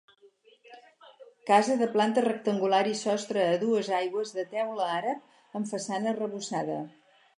Casa de planta rectangular i sostre a dues aigües de teula àrab amb façana arrebossada.